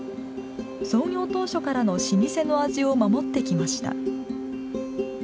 創業当初からの老舗の味を守ってきました。